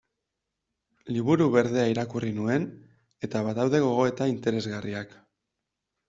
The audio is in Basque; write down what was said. Liburu Berdea irakurri nuen, eta badaude gogoeta interesgarriak.